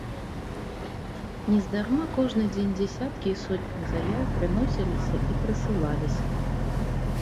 Нездарма кожны дзень дзесяткі і сотні заяў прыносіліся і прысылаліся.